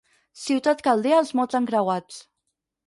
Ciutat caldea als mots encreuats.